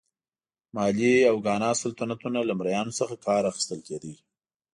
مالي او ګانا سلطنتونه له مریانو څخه کار اخیستل کېده.